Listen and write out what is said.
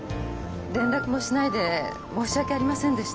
連絡もしないで申し訳ありませんでした。